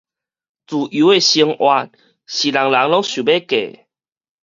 自由的生活是人人攏想欲過的